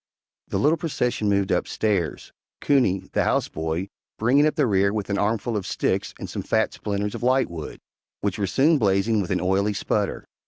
The little procession moved upstairs, Coonie, the house boy, bringing up the rear with an armful of sticks and some fat splinters of lightwood, which were soon blazing with an oily sputter.